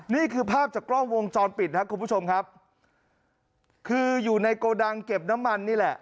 นี่คือภาพจากกล้องวงจรปิดครับคุณผู้ชมครับคืออยู่ในโกดังเก็บน้ำมันนี่แหละ